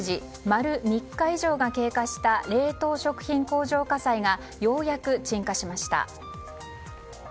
丸３日以上が経過した冷凍食品工場火災がようやく鎮火しました。